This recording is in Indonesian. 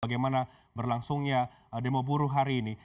bagaimana berlangsungnya demo buruh hari ini